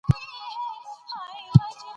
چارسو د پخوا د ښار مرکز و.